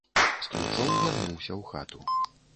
З ключом вярнуўся ў хату.